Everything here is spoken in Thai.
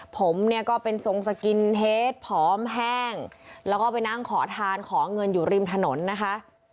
ผมเนี่ยก็เป็นทรงสกินเฮดผอมแห้งแล้วก็ไปนั่งขอทานขอเงินอยู่ริมถนนนะคะ